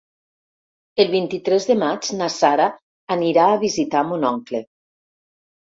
El vint-i-tres de maig na Sara anirà a visitar mon oncle.